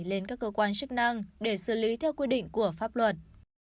lên các cơ quan chức năng để xử lý theo quy định của pháp luật